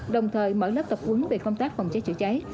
đồng thời mở lớp tập huấn về công tác phòng cháy chữa cháy